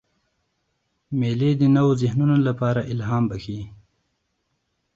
مېلې د نوو ذهنونو له پاره الهام بخښي.